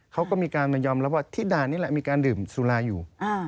เขาก็มีการมายอมรับว่าที่ด่านนี่แหละมีการดื่มสุราอยู่